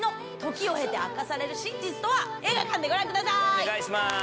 お願いします。